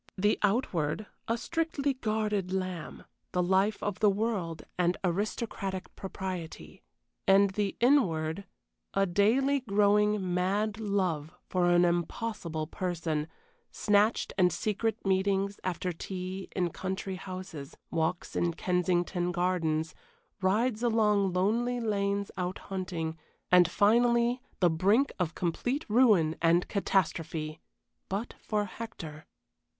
The outward, a strictly guarded lamb, the life of the world and aristocratic propriety; and the inward, a daily growing mad love for an impossible person, snatched and secret meetings after tea in country houses, walks in Kensington Gardens, rides along lonely lanes out hunting, and, finally, the brink of complete ruin and catastrophe but for Hector.